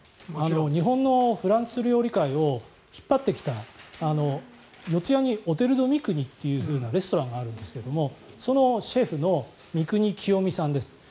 日本のフランス料理界を引っ張ってきた四ツ谷にオテル・ドゥ・ミクニというレストランがあるんですがそのシェフの三國清三さんです。